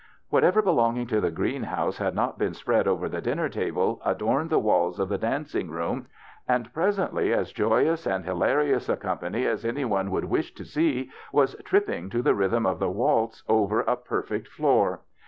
Whatever belonging to the greenhouse had not been spread over the dinner table adorn ed the walls of the dancing room, and pres ently as joyous and hilarious a company as anyone would wish to see was tripping to the rhythm of the waltz over a perfect floor.